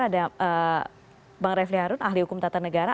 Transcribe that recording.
ada bang refli harun ahli hukum tata negara